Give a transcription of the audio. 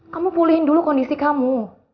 kamu pulihin dulu kondisi kamu